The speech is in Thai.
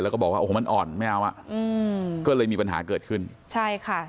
แล้วก็บอกว่าโอ้โหมันอ่อนไม่เอาอ่ะอืมก็เลยมีปัญหาเกิดขึ้นใช่ค่ะ